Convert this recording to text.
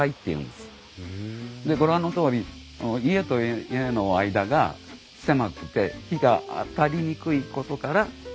でご覧のとおり家と家の間が狭くて陽が当たりにくいことから陽が浅い。